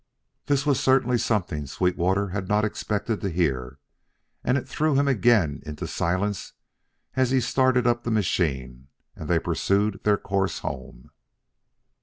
This was certainly something Sweetwater had not expected to hear, and it threw him again into silence as he started up the machine and they pursued their course home.